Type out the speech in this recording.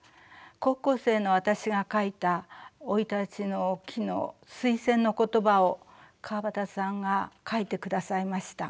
高校生の私が書いた「生い立ちの記」の推薦の言葉を川端さんが書いてくださいました。